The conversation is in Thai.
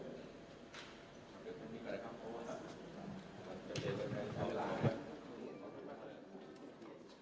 โปรดติดตามตอนต่อไป